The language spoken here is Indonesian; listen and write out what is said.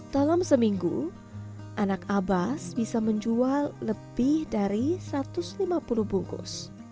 dalam seminggu anak abbas bisa menjual lebih dari satu ratus lima puluh bungkus